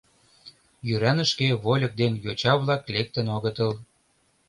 Йӱранышке вольык ден йоча-влак лектын огытыл.